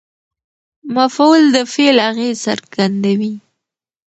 مفعول د فعل اغېز څرګندوي.